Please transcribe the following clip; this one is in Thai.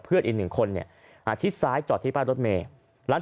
อีกหนึ่งคนเนี่ยอาทิตย์ซ้ายจอดที่ป้ายรถเมย์หลัง